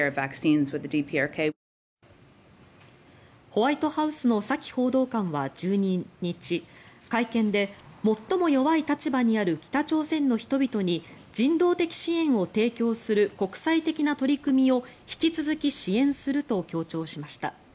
ホワイトハウスのサキ報道官は１２日、会見で最も弱い立場にある北朝鮮の人々に人道的支援を提供する国際的な取り組みを引き続き支援すると強調しました。